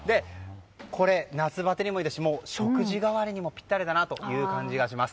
これ、夏バテにもいいですし食事代わりにもぴったりだなと思います。